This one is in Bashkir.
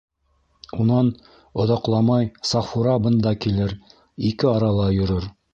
Унан оҙаҡламай Сафура бында килер, ике арала йөрөр.